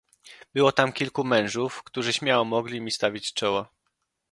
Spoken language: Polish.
"Było tam kilku mężów, którzy śmiało mogli mi stawić czoło."